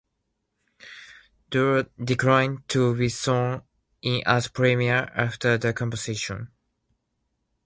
Doer declined to be sworn in as Premier after the convention.